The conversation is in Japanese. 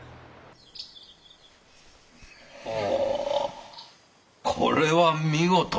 ほうこれは見事な。